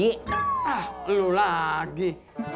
ah elu lagi